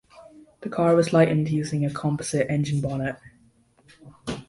The car was lightened using a composite engine bonnet.